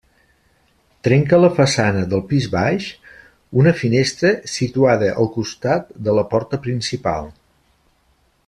Trenca la façana del pis baix, una finestra situada al costat de la porta principal.